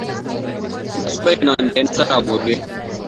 Za su bayyana wanda ya yi nasara gobe.